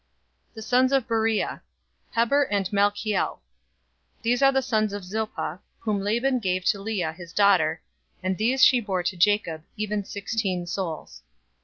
The sons of Beriah: Heber and Malchiel. 046:018 These are the sons of Zilpah, whom Laban gave to Leah, his daughter, and these she bore to Jacob, even sixteen souls.